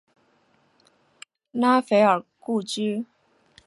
拉斐尔故居。